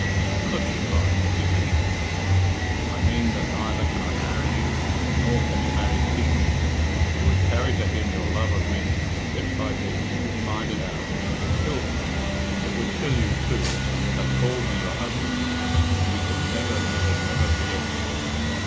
"Philip," she cried, "what do you mean?" "I mean that neither can I marry you, nor can you marry Pete. You would carry to him your love of me, and bit by bit he would find it out, and it would kill him. It would kill you, too, for you have called me your husband, and you could never, never, never forget it."